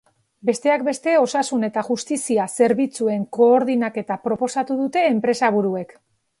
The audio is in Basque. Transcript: Besteak beste, osasun eta justizia zerbitzuen koordainketa proposatu dute enpresaburuek.